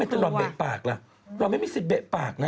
เอ็งจิทำไมตลอดเบะปากล่ะเราไม่มีสิทธิ์เบะปากนะ